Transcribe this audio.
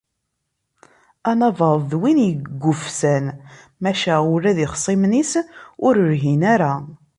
Anabaḍ d win yeggufsan, maca ula d ixṣimen-is ur lhin ara.